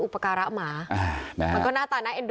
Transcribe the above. คือตอนนั้นหมากกว่าอะไรอย่างเงี้ย